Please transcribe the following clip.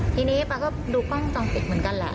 ทีนี้ป๊าก็ดูกล้องจอมปิดเหมือนกันแหละ